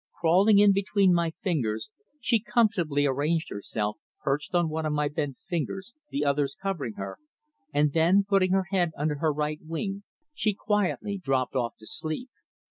Crawling in between my fingers, she comfortably arranged herself, perched on one of my bent fingers, (the others covering her), and then, putting her head under her right wing, she quietly dropped off to sleep.